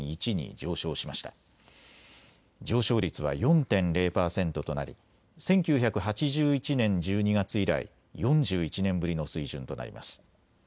上昇率は４．０％となり１９８１年１２月以来、４１年ぶりの水準となります。